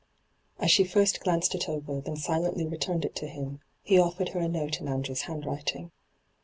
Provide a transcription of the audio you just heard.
As she first glanced it over, then silently returned it to him, he offered her a note in Andrew's handwriting.